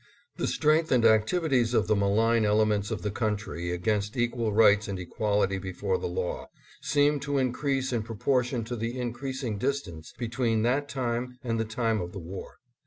The strength and activities of the malign elements of the country against equal rights and equality before the law seem to in crease in proportion to the increasing distance between that time and the time of the war.